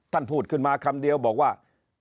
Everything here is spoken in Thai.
ท่านพูดขึ้นมาคำเดียวบอกว่า